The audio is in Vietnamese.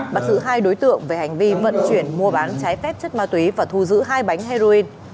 bắt giữ hai đối tượng về hành vi vận chuyển mua bán trái phép chất ma túy và thu giữ hai bánh heroin